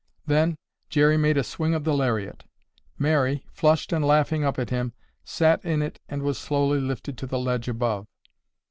Then, Jerry made a swing of the lariat. Mary, flushed and laughing up at him, sat in it and was slowly lifted to the ledge above.